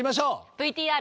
ＶＴＲ。